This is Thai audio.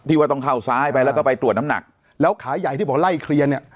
ว่าต้องเข้าซ้ายไปแล้วก็ไปตรวจน้ำหนักแล้วขาใหญ่ที่บอกไล่เคลียร์เนี่ย